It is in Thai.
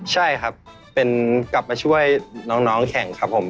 ใช่ครับเป็นกลับมาช่วยน้องแข่งครับผม